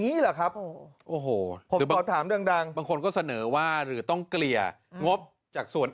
เนี้ยะครับโอ้โหของการถามดังเพราะคนก็เสนอว่าหรือต้องเกลี่ยงพอบจากส่วน